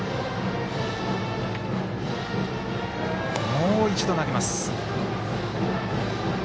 もう一度投げます。